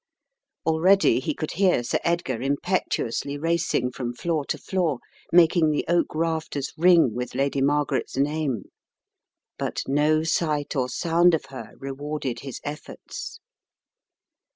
Already he could hear Sir Edgar impetuously racing from floor to floor, making the oak rafters ring with Lady Margaret's name. But no sight or sound of her rewarded his efforts.